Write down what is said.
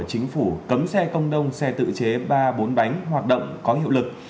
chính phủ cấm xe công đông xe tự chế ba bốn bánh hoạt động có hiệu lực